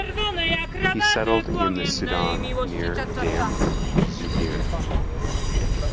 He settled in the Sudan near Deim Zubeir.